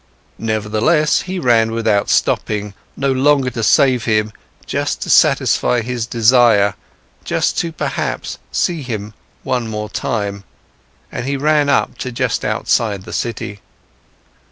Nevertheless, he ran without stopping, no longer to save him, just to satisfy his desire, just to perhaps see him one more time. And he ran up to just outside of the city.